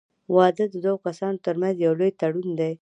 • واده د دوه کسانو تر منځ یو لوی تړون دی.